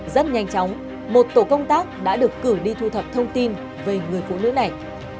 rất nhanh chóng một tổ công tác đã được cử đi thu thập thông tin về người phụ nữ này